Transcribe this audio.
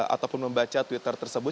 ataupun membaca twitter tersebut